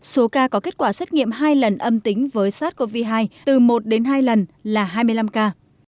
số ca có kết quả xét nghiệm hai lần âm tính với sars cov hai từ một đến hai lần là hai mươi năm ca